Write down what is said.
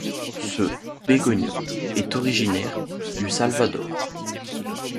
Ce bégonia est originaire du Salvador.